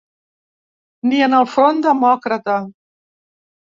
Ni en el front demòcrata.